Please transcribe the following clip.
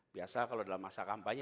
biasa kalau dalam masa kampanye